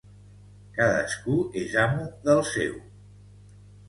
Cadascú és amo del seu.